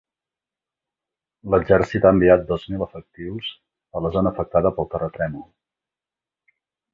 L'exèrcit ha enviat dos mil efectius a la zona afectada pel terratrèmol.